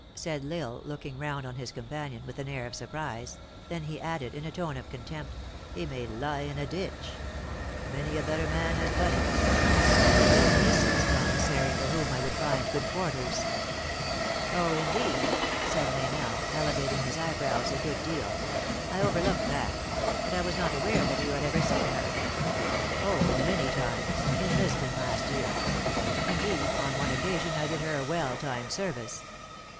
said L Isle, looking round on his companion with an air of surprise ; then he added, in a tone of contempt, " he may lie in a ditch. Many a better man has done it. It is Mrs. Commissary for whom I would find good quarters." " Oh, indeed !" said Meynell, elevating his eye brows a good deal, " I overlooked that. But I was not aware that you had ever seen her." " Oh, many times : in Lisbon, last year. Indeed, on one occasion I did her a well timed service."